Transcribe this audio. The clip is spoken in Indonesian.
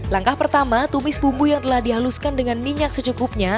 langkah pertama tumis bumbu yang telah dihaluskan dengan minyak secukupnya